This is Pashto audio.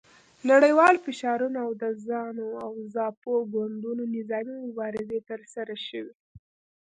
نړیوال فشارونه او د زانو او زاپو ګوندونو نظامي مبارزې ترسره شوې.